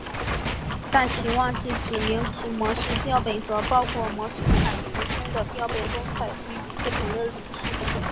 但其忘记指明其模式标本和包括模式采集中的标本都采集于不同的日期。